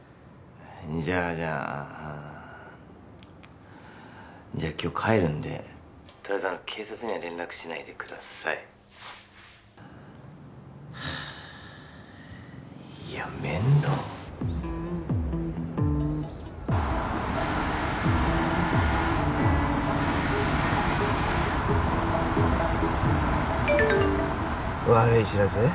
じゃあじゃあじゃ今日帰るんで☎とりあえずあの警察には連絡しないでくださいはあいやメンドー悪い知らせ？